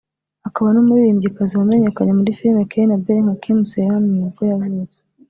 akaba n’umuririmbyikazi wamenyekanye muri filime Cain and Abel nka Kim Seo-yeon nibwo yavutse